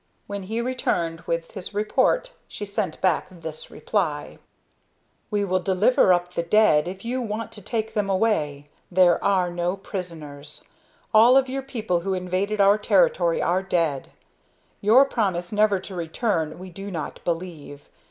When he returned with his report she sent back this reply: "We will deliver up the dead if you want to take them away. There are no prisoners. All of your people who invaded our territory are dead. Your promise never to return we do not believe.